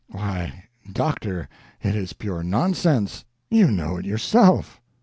"Why, doctor, it is pure nonsense; you know it yourself.